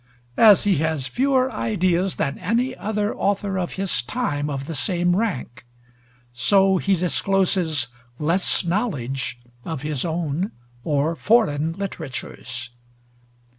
As he has fewer ideas than any other author of his time of the same rank, so he discloses less knowledge of his own or foreign literatures.